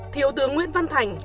thiếu tướng nguyễn văn thành